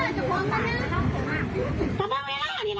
มีไงยากปากไหนอ่ะ